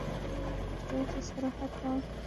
زه اوس استراحت کوم.